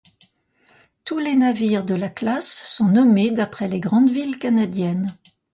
Tous les navires de la classe sont nommés d'après les grandes villes canadiennes.